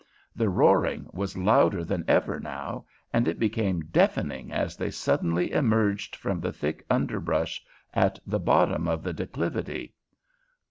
The roaring was louder than ever now, and it became deafening as they suddenly emerged from the thick underbrush at the bottom of the declivity.